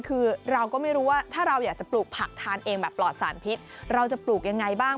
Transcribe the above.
คือเราก็ไม่รู้ว่าถ้าเราอยากจะปลูกผักทานเองแบบปลอดสารพิษเราจะปลูกยังไงบ้าง